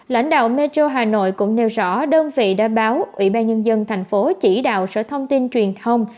lãnh đạo metro hà nội cũng nêu rõ đơn vị đã báo ủy ban nhân dân thành phố chỉ đạo sở thông tin truyền thông